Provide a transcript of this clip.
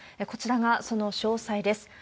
こちらがその詳細です。